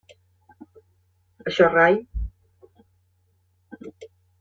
Això rai.